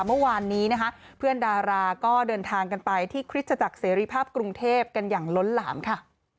เมื่อวานนี้นะคะเพื่อนดาราก็เดินทางกันไปที่คริสตจักรเสรีภาพกรุงเทพกันอย่างล้นหลามค่ะ